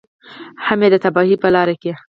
هم یې د تباهۍ په لاره کې.